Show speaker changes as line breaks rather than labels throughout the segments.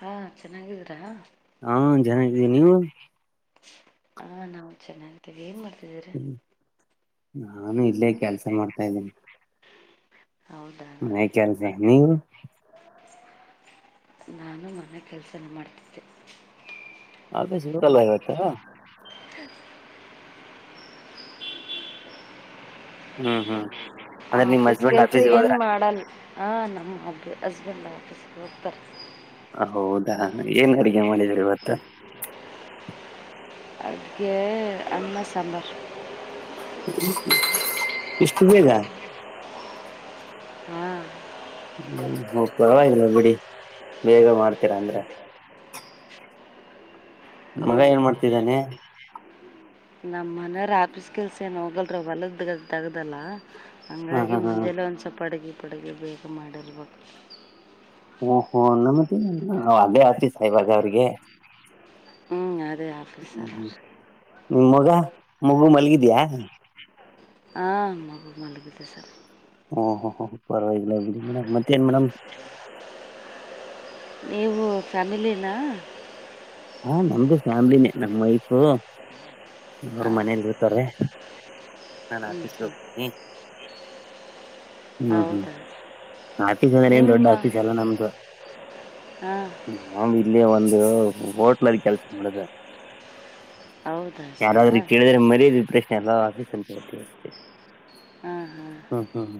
ಹಾ ಚೆನ್ನಾಗಿದೀರಾ.
ಹಾ ಚೆನಾಗಿದೀನಿ ನೀವು.
ಹಾ ನಾವು ಚೆನ್ನಾಗಿದೀವಿ ಏನ್ ಮಾಡ್. ದಿರಾ
ನಾನು ಇಲ್ಲೇ ಕೆಲ್ಸ ಮಾಡ್ತಾ ಇದಿನಿ.
ಹೌದಾ
ಮನೇ ಕೆಲ್ಸ ನೀವು.
ನಾನು ಮನೆ ಕೆಲ್ಸನೆ ಮಾಡ್ತಿದ್ದೆ.
ಆಫೀಸಿಗೆ ಹೋಗಲ್ವಾ ಇವತ್ತು. ಹ್ಮ್ ಹ್ಮ್ ಅಂದ್ರೆ ನಿಮ್
ಆಫೀಸ್
ಹಸ್ಬೆಂಡ್
ಕೆಲ್ಸ
ಆಫೀಸ್ಗೆ
ಏನ್
ಹೋದ್ರ
ಮಾಡಲ್ ಹಾ ನಮ್ಮಗ್ಳು. ಹಸ್ಬೆಂಡಾಫೀಸ್ಗೋಗ್ತಾರೆ.
ಹೌದಾ ಏನ್ ಅಡಗೆ ಮಾಡಿದಿರಿವತ್ತು.
ಅಡ್ಗೇ ಅನ್ನ ಸಾಂಬರ್.
ಇಷ್ಟು ಬೇಗಾ.
ಹಾ.
ಒ ಪರ್ವಾಗಿಲ್ಲ ಬಿಡಿ ಬೇಗ ಮಾಡ್ತೀರಾ ಅಂದ್ರೆ. ಮಗ ಏನ್ ಮಾಡ್ತಿದಾನೆ.
ನಮ್ಮ್ ಮನೆರ್ ಆಪೀಸ್ ಕೆಲ್ಸ ಏನ್ ಹೋಗಲ್ರಿ ಒಲದ್ ದಗ್ದಲ್ಲಾ
ಹ
ಹಂಗಾಗಿ
ಹ ಹ
ಮುಂಜೆಲೆ ಒಂದ್ ಸಪ್ ಅಡಗಿ ಪಡುಗೆ ಬೇಗ ಮಾಡಿರ್ಬೇಕ.
ಓ ಹೋ ನಮ್ದೇ ಎಲ್ಲಾ ಒ ಅದೆ ಆಫೀಸಾ ಇವಾಗ ಅವ್ರಿಗೆ.
ಹ್ಮ್ ಅದೇ
ಹ್ಮ್
ಆಫೀಸರ್.
ಹ್ಮ್ ಮೊಗ ಮಗು ಮಲ್ಗಿದ್ಯಾ.
ಹಾ ಮಗು ಮಲ್ಗಿದೆ ಸರ್.
ಓ ಹೊ ಹೊ ಪರ್ವಾಗಿಲ್ಲ ಬಿಡಿ ಮೇಡಂ ಮ
[inaudible] ನೀವು ಫ್ಯಾಮಿಲಿನ.
ಹಾ ನಮ್ದು ಫ್ಯಾಮ್ಲಿನೇ ನಮ್ ವೈಫು ಅವ್ರು ಮನೇಲ್ಲಿರ್ತಾರೆ. ನಾನ್ ಆಫೀಸ್ಗೆ ಹೋಗ್ತೀನಿ. ಹ್ಮ್ ಹ್ಮ್
ಹೌದಾ
ಆಫೀಸ್ ಅಂದ್ರೆ ಏನ್ ದೊಡ್ಡ
ನಿಮ್ಮ
ಆಫೀಸ್ ಅಲ್ಲ ನಮ್ದು
ಹಾಂ
ನಾವು ಇಲ್ಲಿ ಒಂದು ಹೋಟ್ಲಲ್ಲಿ ಕೆಲ್ಸ ಮಾಡದ.
ಹೌದಾ ಸರ
ಮರ್ಯಾದ ಪ್ರಶ್ನೆ ಎಲ್ಲ ಆಫೀಸ್ ಅಂತ ಹೇಳ್ತೀವಿ ಅಷ್ಟೇ
ಹ
ಹ್ಮ್ ಹ್ಮ್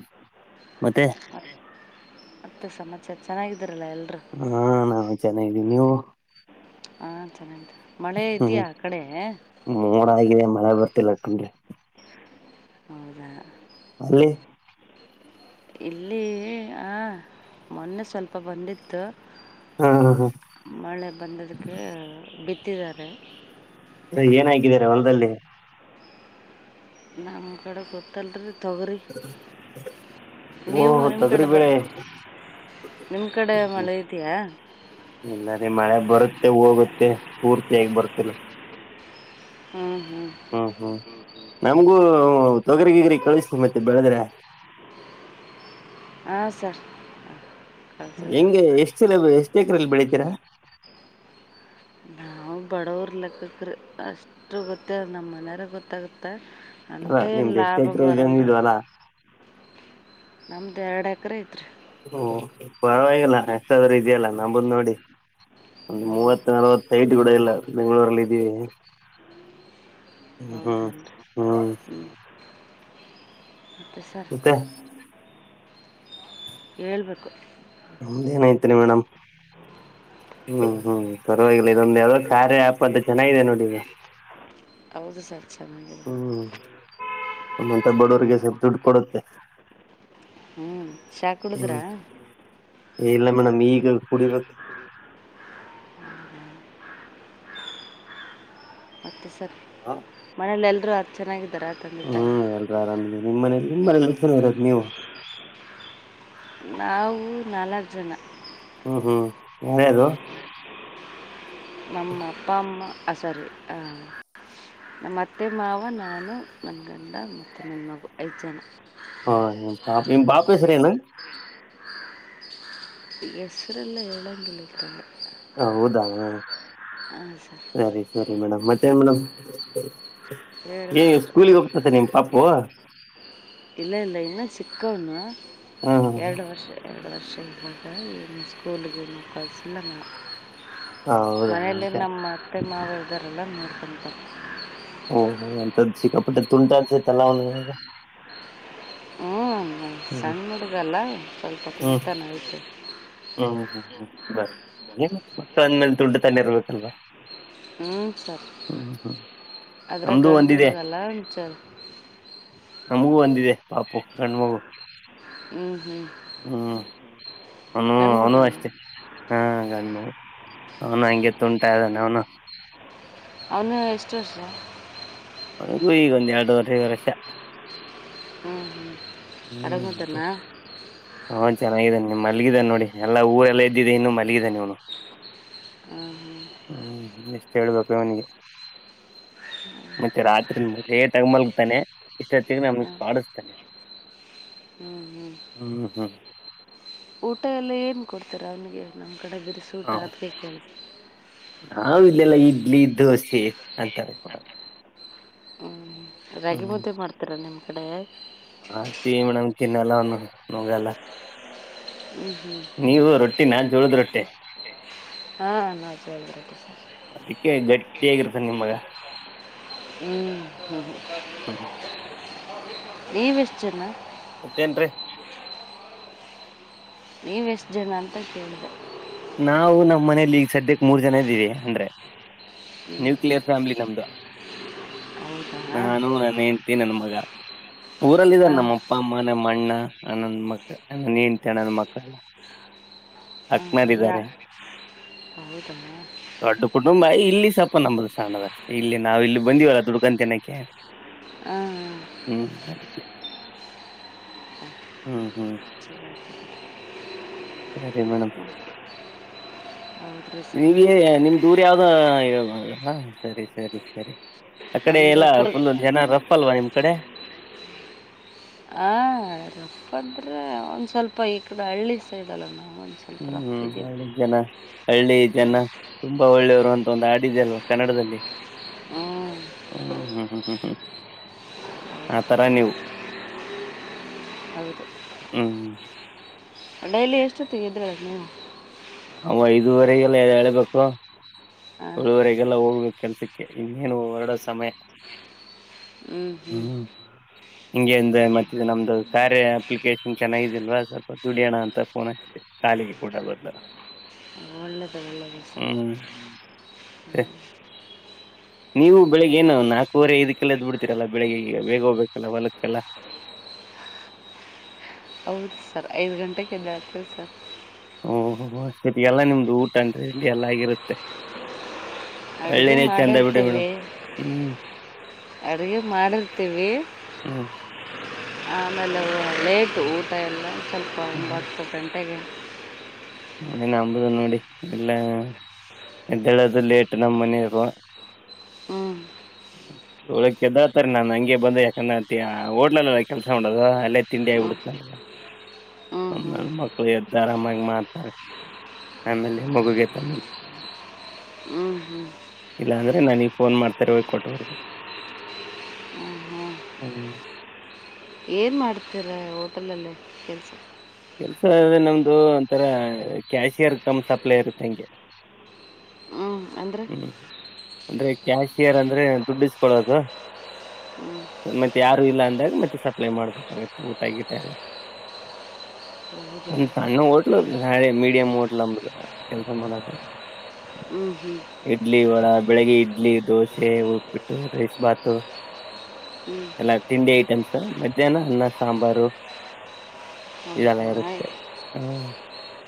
ಮತ್ತೆ
ಹಾ ಮತ್ತ ಸಮಾಚಾರ ಚೆನ್ನಾಗಿ ದ್ರಲ್ಲ ಎಲ್ರು.
ಹಾ ನಾವು ಚೆನ್ನಾಗಿದ್ದೀವಿ ನೀವು
ಹಾ ಚೆನಗಿದಿವ್
ಹ್ಮ್ [unintelligible] ಮೋಡ ಆಗಿದೆ ಮಳೆ ಬರ್ ತಿಲ್ಲ ಕಂಡ್ರಿ
ಹೌದಾ
ಅಲ್ಲಿ
ಇಲ್ಲಿ ಹಾಂ ಮೊನ್ನೆ ಸ್ವಲ್ಪ ಬಂದಿತ್ತು
ಹ ಹ
[unintelligible] ಮಳೆ ಬಂದಿದಕ್ಕೆ ಬಿತ್ ತಿದರ
ಅದೇ ಏನ ಹಾಕಿದರೆ ಹೊಲ್ದಲ್ಲಿ.
ನಮ್ ಕಡೆ ಗೊತ್ತಲ್ರಿ ತೊಗರಿ
[unintelligible] ಓ
ನೀವು ನಿಮ್ಮ
ತೊಗ್ರಿ
ಕಡೆ ಬ
ಬೇಳೆ
ನಿಮ್ಮ ಕಡೆ ಮಳೆ ಇದೆಯಾ
[unintelligible] ಇಲ್ಲರಿ ಮಳೆ ಬರುತ್ತೆ ಹೋಗುತ್ ತ್ತೆ ಪೂರ್ತಿಯಾಗಿ ಬರ್ತಿಲ್ಲ.
ಹ್ಮ್
ಹ್ಮ್ ಹ್ಮ್ ನಮ್ಗೂ ತೊಗ್ರಿ ಗಿಗ್ರಿ ಕಳಿಸು ಮತ್ತೆ ಬೆಳದ್ರೆ [unintelligible]
ಹ ಸರ್ [unintelligible]
ಹೆಂಗೆ ಎಷ್ಟು ಚೀಲ ಬೆ ಎಷ್ ಕ್ರಲ್ಲಿ ಬೆಳಿತೀರ
ನಾವು ಬಡವ್ರ ಲೆಕ್ಕಕ್ರಿ ಅಷ್ಟು ಗೊತ್ತಿಲ್ ನಮ್ ಮನೆಯವ್ರ ಗೊತ್ತಾಗುತ್ತ
ಅಲ್ಲ ನಿಮ್ದು ಎಷ್ಟ ಎಕರೆ ಇದನಿದ ಅಲ್ಲಾ
ನಮ್ದ್ ಎರಡ್ ಎಕರೆ ಐತ್ರಿ
ಹ್ಮ ಪರವಾಗಿಲ್ಲ ಎಷ್ಟಾದ್ರೂ ಇದೆಯಲ್ಲ ನಂಬಂದ್ ನೋಡಿ ಒಂದು
ಹ್ಞೂ
ಮೂವತ್ ನಲ್ವತ್ ಐಟ್ ಕೂಡ ಇಲ್ಲ ಬೆಂ್ಗಳೂರಲ್ಲಿ ಇದ್ದೀವಿ ಹ್ಮ್
ಹೌದೇನು ರೀ
ಹ್ಮ್
ಹ್ಞೂ
ಮತ್ತೆ
[unintelligible] ಹೇಳ್ಬೇಕು
ನಮ್ಧ್ ಏನಐತ್ರಿ ಮೇಡಮ್ ಹ್ಮ್ ಹ್ಮ್ ಪರವಾಗಿಲ್ಲ ಇದೊಂದ ಯಾವದೋ ಕಾರ್ಯ ಆಪದು ಚೆನ್ನಾಗಿದೆ ನೋಡಿ ಈಗ
ಹೌದು ಸರ್ ಚನಗಿದೆ
ನಮ್ಮಂಥ ಬಡವರಿಗೆ ಸ್ವಲ್ಪ ದುಡ್ಡು ಕೊಡುತ್ತೆ
ಹ್ಮ್ ಚಾ ಕುಡುದ್ರಾ
ಹ್ಮ್ ಇಲ್ಲ ಮೇಡಮ್ ಈಗ ಕುಡಿಬೇಕ
[inaudible] [unintelligible] [unintelligible] ತಾಯಿ
ಹ್ಮ್ ಎಲ್ರ ಅರಾಮಿದಿ ನಿಮ್ ಮನೇಲಿ ತುಂಬಸ ಇರದು ನೀವು
ನಾವು ನಾಲಕ್ ಜನ
ಹ್ಮ್ ಹ್ಮ್ ಯಾರ್ಯಾರು
ನಮ್ಮ ಅಪ್ಪಾ ಅಮ್ಮ ಹಸರು ನಮ್ಮತ್ತೆ ಮಾವ ನಾನು ನನ್ಗಂಡ ಮತ್ತು ನಿನ್ನ ಮಗು ಐದು ಜನ
ಹಾ ನಿಮ್ ನಿಮ್ ಪಾಪು ಹೆಸರು ಏನು
ಹೆಸ್ರಲ್ಲ ಏಳಂಗಿಲ್ಲಲ್ರಿ
ಹ ಹೌದಾ
ಸರ್
ಸರಿ ಸರಿ ಮೇಡಮ್ ಮತ್ತೆ ಏನ್ ಮೇಡಮ್ ಏ
ಹೇಳ್ಬೇಕು
ಸ್ಕೂಲಿಗೆ ಹೋಗ್ತತೆ ನಿಮ್ ಪಾಪು
ಇಲ್ಲ ಇಲ್ಲ ಇನ್ನು ಚಕ್ಕವನ್ನು ಎರಡು ವರ್ಷ ಎರಡು ವರ್ಷದ್ ಮಗು ಇನ್ನು ಸ್ಕೂಲಗೆ ಇನ್ನು ಕಲ್ಸಿಲಾನನು
ಹೌದ
ಮನೆಯಲ್ಲಿ ನಮ್ಮ ಅತ್ತೆ ಮಾವ ದರಲ್ಲ ನೋರ್ಕೊಂತಾರೆ
ಓಹೋ ಎಂತ ಸಿಕ್ಕಾಪಟ್ಟೆ ತುಂಟ ತಲ್ಲ ಒನಿಗೆ
ಹ್ಮ್ ಹಾಂ ಸಣ್ಣಡುಗಲ್ಲ ಸ್ವಲ್ಪ
ಹ್ಮ್
ತಿಂತಾನೆ ಅದ್ದಿಕೆ
ಹ್ಮ್ ಹ್ಮ್ ಹ್ಮ್ ಬ ಏನ್ ಮಕ್ಕಳ ಅಂದ್ಮೇಲೆ ದುಡ್ಡು ತಣಿ ಇರ್ಬೇಕಲ್ವಾ
ಹ್ಮ ಸರ್
ಹ್ಮ್ ಹ್ಮ್
ಅದ್ರ
ನಮ್ದು
ಗಂಡು
ಒಂದಿದೆ
ಹುಡುಗಲ್ಲ ಉಂ ಸರ್
ನಮಗೂ ಒಂದಿದೆ ಪಾಪು ಗಂಡ ಮಗು
ಹ್ಮ್
ಹ್ಮ್ ಅವನು
ಗಂಡು
ಅವನು
ಮಗನ
ಅಷ್ಟೆ ಹಾ ಗಂಡ ಮಗು ಅವ್ನು ಅಂಗೇ ತುಂಟಾ ಇದ್ದಾನೆ ಅವನು
ಅವನ್ನ ಎಷ್ಟವರ್ಷ
ಅಂಗ್ವೆ ಈಗ ಒಂದ್ ಎರಡೂರೆ ಮೂರು ವರ್ಷ
ಹ್ಮ್ ಹ್ಮ್ ಆದಾಗ್ ಮದನಾ
ಹಾ ಚೆನ್ನಾಗಿದ್ದಾನೆ ನಿಮ್ ಮಲಗಿದಾನ ನೋಡಿ ಎಲ್ಲಾ ಊರೆಲ್ಲ ಇದದ್ದಿದ್ದ ಇನ್ನು ಮಲಗಿದಾನೆ ಇವನು
ಹ್ಞೂ ಹ್ಞೂ
ಹ್ಮ್ ಎಷ್ಟ ಹೇಳ್ಬೇಕು ಇವನಿಗೆ ಮತ್ತೆ ರಾತ್ರಿ ಲೇಟಾಗಿ ಮಲ್ಗತಾನೆ ಇಷ್ಟೊತ್ತಿಗೆ ನಮಗ್
ಹ್ಞೂ
ಕಾಡಿಸ್ತಾನೆ
ಹ್ಞೂ ಹ್ಞೂ
ಹ್ಮ್ ಹಾಂ
ಏಮ್ ಕೊಡ್ತಾರೆ ಅವ್ನಿಗೆ ನಮ ಅಕ್ಕಡೆ ಗ್ರ ಸೂಟ ಆತಬೇಕಕಿ
ಹಾವ ಇಲೆಲ್ಲಾ ಇಡ್ಲಿ ದೋಸೆ ಅಂತವೆ ಕೊಡದ್
ಹ್ಞೂ ರಾಗಿ ಮುದೆ ಮಾಡ್ತೀರಾ ನಿಮ್. ಕಡೆ.
ಹ ೀ ಮೇಡಮ್ ತಿನ್ನಲ್ಲ. [unintelligible]
ಹ್ಞೂ ಹ್ಞೂ
ನೀವು ರೊಟ್ಟಿ ನಾನ್ ಜೋಳದ್ ರೊಟ್ಟಿ.
ಹಾ [unintelligible] [inaudible]
ಹಗಿರ್ತ್ತೆ ನಿಮ್ಮ ಮಗ.
ಹ್ಮ್ ಹ್ಮ್ಮ.
ಹ.
ನೀವ್ ಎಷ್ಟಜನ.
ಮತ್ತೇನ್ರಿ.
ನೀವೆಷ್ಟು ಜನ ಅಂತ ಕೇಳಿದೆ.
ನಾವು ನಮ್ಮ್ ಮನಲಿ ಈಗ ಸದ್ಯಕ್ ಮೂರ್ ಜನ ಇದೀವಿ ಅಂದ್ರೆ.
ಹ್ಞೂ
ನ್ಯೂಕ್ಲಿಯರ್ ಫ್ಯಾಮಿಲಿ ನಮ್ದ.
ಹೌದಾ
ನಾನು ನಾನ್ ಹೆಂಡ್ತಿ ನನ್ ಮಗ. ಊರಲ್ ಇದಾರೆ
ಹಾಂ
ನಮ್ಮಪ್ಪ ಅಮ್ಮ ನಮ್ಮ ಅಣ್ಣ. ಹ ನನ್ ಮಕ್ಕಳ ನನ್ ಹೆಂಡ್ತಿ ನನ್ ಮಕ್ಕಳ ಎಲ್ಲ. ಅಕ್ಮದಿದ್ದಾರೆ.
ಹೌದಮ್ಮ [inaudible]
ದೊಡ್ಡ ಕುಟುಂಬ ಇಲ್ಲಿ ಸ್ವಲ್ಪ ನಮ್ದ ಸಣ್ಣದ ಅಷ್ಟೇ ಇಲ್ಲಿ. ನಾವು ಇಲ್ಲಿ ಬಂದಿವಲ ದುಡುಕನ್ ತಿನ್ನಾಕ್. ಕೆ.
ಹಾಂ
[inaudible] ಹ್ಮ್ ಅದಿಕೆ. ಹ್ಮ್ ಹ್ಮ್ ಸರಿ ಮೇಡಮ್.
ಸ [inaudible]
ಎ ನಿಮ್ ದೂರ ಯಾವ್ದ ಸರಿ ಸರಿ ಸರಿ. ಅ ಕಡೆ
ನಮ್ಮದು
ಎಲ್ಲ
ಉತ್ತರ
ಫುಲ್ ಜನ ರಫ್ ಅಲ್ವಾ ನಿಮ್ ಕಡೆ.
ಹ [inaudible] ಒಂದು ಸ್ವಲ್ಪ ಈ ಕಡೆ ಹಳ್ಳಿ ಸೈಡಲ್ಲ ನಾವು. ಒಂದ್ ಸ್ವಲ್ಪ
ಹ್ಮ್
ರಫ್
ಹ್ಮ್
ಇದೀವಿ.
ಹಳ್ಳಿ ಜನ ಒಂದ್ ಒಂದು ಆಡಿದೆ ಅಲ್ವಾ ಕನ್ನಡದಲ್ಲಿ.
ಹ್ಮ್
ಹ್ಮ್ ಹ್ಮ್ ಹ್ಮ್ ಹ್ಮ್ ಆಥರ ನೀವು
ಹೌದು
ಹ್ಮ್
ಡೈಲಿ ಎಷ್ಟೊತ್ತು ಇದ್ರ ನೀವು
ಅವು ಐದುವರೆಗೆಲ್ಲ ಎಳ್ಬೇಕು
ಹಾಂ
ಯೊಳುವರೆಗೆಲ್ಲ ಹೋಗ್ಬೇಕ ಕೆಲ್ಸಕ್ಕೆ ಇನ್ನೇನು ಹೊರಡೊ ಸಮಯ
ಹ್ಮ್ ಹ್ಮ್
ಹಿಂಗೆಂದೆ ಮತ್ತ ನಮ್ದು ಕಾರ್ಯ ಅಪ್ಲಿಕೇಶನ್ ಚೆನ್ನಾಗಿದಿಲ್ವಾ ಸ್ವಲ್ಪ ದುಡಿಯೋಣ ಅಂತ ಫೋನ್ ಹಾಕಿದೆ ಕಾಲಿಗೆ ಕೂಡ ಬರ್ಲ್ಲ
[inaudible]
ಅತ್ತ ನೀವು ಬೆಳಿಗ್ ಏನು ನಾಲ್ಕೂುವರೆ ಐದಕ್ಕೆಲ್ಲ ಎದ್ ಬಿಡ್ತೀರಲ್ಲ ಬೆಳಿಗ್ಗೆ ಈಗ ಬೇಗ ಹೋಗ್ಬೇಕಲ್ಲ ಹೊಲಕ್ಕೆಲ್ಲ
ಹೌದು ಸರ್ ಐದು ಗಂಟೆಕ್ ಯದ್ ಏಳ್ತಿವಿ ಸರ್
ಒಹೊಹೊ ಅಷ್ಟೋತ್ತಿಗ್ ಎಲ್ಲಾ ನಿಮ್ದು ಊಟ ಅಂ ಎಲ್ಲಗಿರುತ್ತೆ
ಅಡುಗೆ ಮಾಡಿರ್ತೀವಿ
ಹ್ಮ್
ಅಡುಗೆ ಮಾಡಿರ್ತೀವಿ
ಹ್ಮ್
ಆಮೇಲೆ ಲೇಟು ಊಟ ಎಲ್ಲಾ ಸ್ವಲ್ಪ
ಹ್ಮ್
ಒಂಬತ್ತು ಗಂಟೆಗೆ
ಏನ್ಂಬುದು ನೋಡಿ ಇಲ್ಲ ಎದ್ದೇಳದು ಲೇಟ್ ನಮ್ಮ ಮನೆವ್ರು
ಹ್ಞೂ
ಯೊಳಕ್ಕೆ ಎದ್ದೊಲ್ತರ್ರಿ ನನ್ ಹಂಗೆ ಬಂದ ಯಾಕಂದ್ರ ಓಡ್ಲಲ್ಲಲ್ಲ ಕೆಲ್ಸ ಮಾಡೋದು ಅಲ್ಲೇ ತಿಂಡಿ
ಹ್ಞೂ
ಆಗಿಬಿಡುತ್ತ ನ
ಹ್ಞೂ
ಆಮ್ಮ
ಹ್ಞೂ
ಮಕ್ಳು ಎದ್ದ ಆರಾಮಾಗಿ ಮಾಡ್ತಾರೆ ಆಮೇಲೆ ಮಗುಗೆ ತನ್ನಿಿಲ್ಲ
ಹ್ಞೂ ಹ್ಞೂ
ಇಲ್ಲಾ ಅಂದ್ರೆ ನಾನಗ್ ಫೋನ್ ಮಾಡ್ತಾರೆ ಹೋಗ ಕೊಟ್ಟು ಬರ್ಬೇಕು ಹ್ಮ್
ಏನ್ ಮಾಡ್ತೀರ ಹೋಟೆಲಲ್ಲಿ ಕೆಲ್ಸ
ಕೆಲ್ಸ ಅದೆ ನಮ್ದು ಒಂಥರ ಕ್ಯಾಶಿಯರ್ ಕಮ್ ಸಪ್ಲೈರುತ್ತೆ ಹಂಗೆ
ಹ್ಞೂ ಅಂದರೆ
ಹ್ಮ್ ಅಂದ್ರೆ ಕ್ಯಾಶಿಯರ್ ಅಂದ್ರೆ ದುಡ್ಡಿಸ್ಕೊಳ್ಳೋದು
ಹ್ಞೂ
ಮತ್ತೆ ಯಾರು ಇಲ್ಲ ಅಂದಾಗ ಮತ್ತೆ ಸಪ್ಲೈ ಮಾಡ್ಬೇಕೆ ಊಟ ಗೀಟ ಎಲ್ಲ
ಹೌದಾ
ಒಂದ ಸಣ್ಣ ಹೋಟ್ಲ್ ನಾಳೆ ಮೀಡಿಯಂ್ ಹೋಟ್ಲ್ ಅಂಬುದು ಕೆಲ್ಸ ಮಾಡೋದು
ಹ್ಞೂ ಹ್ಞೂ
ಇಡ್ಲಿ ವಡ ಬೆಳಗ್ಗೆ ಇಡ್ಲಿ ದೋಸೆ ಉಪ್ಪಬಿಟ್ಟು ರೈಸ್ ಭಾತು
ಹ್ಞೂ
ಎಲ್ಲ ತಿಂಡಿ ಐಟಮ್ಸ್ ಮಧ್ಯಾಹ್ನ ಅನ್ನ ಸಾಂಬಾರು ಇದೆಲ್ಲ
ಹೌದಾ
ಇರುತ್ತೆ ಹ್ಮ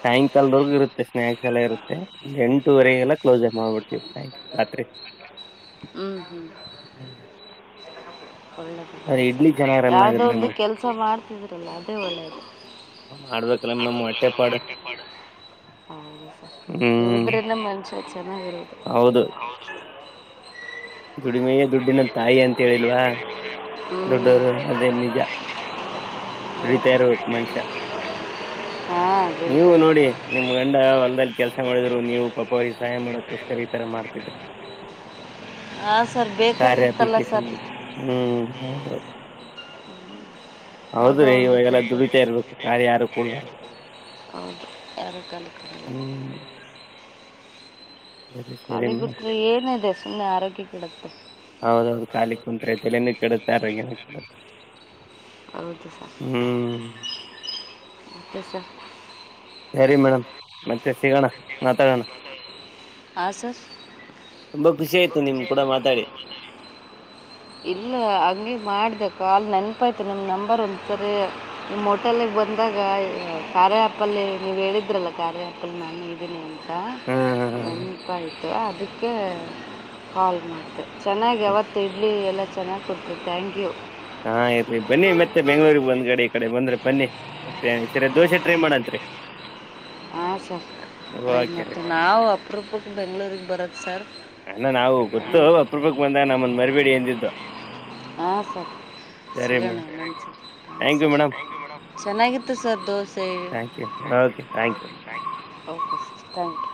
ಸಾಯಂಕಾಲದ ಹೋಗಿ ಇರುತ್ತೆ ಸ್ನಾಯಕ್ಸ್ ಎಲ್ಲ ಇರುತ್ತೆ ಎಂಟೂವರೆಗೆಲ್ಲ ಕ್ಲೋಸ್ ಮಾಡ್ಬಿಡ್ತೀವಿ ಸಾಯಕಾಲ ರಾತ್ರಿ
ಹ್ಞೂ ಹ್ಞೂ
ಹ್ಮ್ ಅರೆ ಇಡ್ಲಿ
ಯಾವ್ದೋ
ನಮ್
ಒಂದು ಕೆಲ್ಸ ಮಾಡ್ತಿದ್ರಲ್ಲ ಅದೇ ಒಳ್ಳೇದು
ಮಾಡ್ಬೇಕಲ್ಲ ನಮ್ ಹೊಟ್ಟೆಪಾಡು
ಎಡು
ಹ್ಮ್
ಬಿರಂದ ಮಂಸ ಚೆನ್ನಾಗಿರೋದು
ದುಡಿಮೆಯ ದುಡ್ದಿನ ತಾಯಿ ಅಂತ ಹೇಳಿಲ್ವಾ
ಹ್ಞೂ
ದೊಡ್ಡವರು ಅದೇ ನಿಜ ದುಡಿತಾ
ಹೌದು
ಇರ್ಬೇಕು ಮನುಷ್ಯ
ಹಾಂ
ನೀವು
ದುಡಿತಾ
ನೋಡಿ
ಇರೋದು
ನಿಮ್ ಗಂಡ ಹೊಲ್ದಲ್ಲಿ ಕೆಲ್ಸ ಮಾಡಿದ್ರು ನೀವು ಪಾಪ ಅವರಿಗೆ ಸಹಾಯ ಮಾಡಕೋಸ್ಕರ ಈ ತರ ಮಾಡ್ತಿದ್ರ
ಹಾ ಸರ್ ಬೇಕಾಗಿತ್ತಲ್ಲ ಸರ್
ಹೌದು
ಯಾವುದೋ
ಹೌದ್ರೀ
ಒಂದು
ಇವಾಗೆಲ್ಲ
ಕೆಲಸ
ದುಡಿತಾ ಇರ್ಬೇಕು ಗಾರಿ ಯಾರು ಕೊಡಬರ್ದ
ಹೌದು ಯಾರ ಆಗಕಲ್ಕ
ಹ್ಮ್ ಸರಿ ಸರಿ
ಕಾಲಿ
ಮ
ಕುತ್ರೆ ಏನ ಇದೆ ಸುಮ್ಮ್ನೆ ಆರೋಗ್ಯ ಕೆಡುತ್ತೆ.
ಹೌದೌದು ಖಾಲಿ ಕುಂತ್ರೆ ತೆಲೆನ್ ಕೆಡುತ್ತೆ ಆರೋಗ್ಯನು ಕೆಡುತ್ತೆ.
ಹೌದು ಸರ್.
[inaudible]
[unintelligible]
ಸರಿ ಮೇಡಮ್ ಮತ್ತೆ ಸಿಗೋಣ ಮಾತಾಡೋಣ.
ಹಾ ಸರ್.
ತುಂಬಾ ಖುಷಿ ಆಯ್ತು ನಿಮ್ ಕೂಡ ಮಾತಾಡಿ.
ಇಲ್ಲ ಹಂಗೆ ಮಾಡದೆ ಕಾಲ್ ನೆನಪಾಯ್ತು ನಿಮ್ಮ ನಂಬರ್ ಒಂದ್ಸರಿ ನಿಮ್ಮ ಹೋಟೆಲಿಗೆ ಬಂದಾಗ ಕಾರ್ಯ ಆಪಲ್ಲಿ ನೀವು ಹೇಳಿದ್ರಲ್ಲ ಕಾರ್ಯ ಆಪಲ್ ನಾನು ಇದ್ದೀನಿ ಅಂತ
ಹ್ಮ್ ಹ್ಮ್
ನೆನ್ಪಾಯಿತು ಆದಕ್ ಕ್ಕೇ ಕಾಲ್ ಮಾಡ್ದೇ ಚೆನ್ನಾಗ್
ಹಾ
ಯಾವತ್ ಇ ಇಡ್ಲಿ ಎಲ್ಲ ಚೆನ್ನಾಗ್ ಕೊಡ್ತಿರಿ ಥ್ಯಾಂಕ್ಯು.
ಹಾ ಇರ್ಲಿ ಬನ್ನಿ ಮತ್ತೆ ಬೆಂಗ್ಳೂರಿಗ್ ಬಂದ್ ಗಡಿ ಈ ಕಡೆ ಬಂದ್ರ್ ಬನ್ನಿ ಮತ್ತೆ ಸರಿ ದೋಸೆ ಟ್ರೈ ಮಾಡಂತ್ರಿ.
ಹಾಂ ಸರ್ ಟ್ರೈ
ಓಕೆ ರೀ
ಮಾಡ್ತೇವ್ ನಾವು ಅಪೂರೂಪಕ್ಕೆ ಬೆಂಗಳೂರಿಗ್ ಬರೋದು ಸರ್
ಅಣ್ಣ ನಾವು
ಹ್ಞ.
ಗೊತ್ತು ಅಪರೂಪಕ್ಕೆ ಬಂದಾಗ ನಮ್ಮನ್ನು ಮರಿಬೇಡಿ ಅಂದಿದ್ದು.
ಹಾಂ ಸರ್ ಸಿಗೋಣ ಇನ್ನೊಂದ್ಸರಿ ಹೂಂ
ಥ್ಯಾಂಕ್ ಯು
ಸರ್
ಮೇಡಮ್
ಚೆನ್ನಾಗಿತ್ತು sir dosa
thank you okay thank you
okay sir thank you.